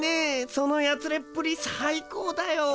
そのやつれっぷり最高だよ。